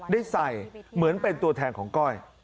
ได้ใส่เหมือนเป็นตัวแทนของก้อย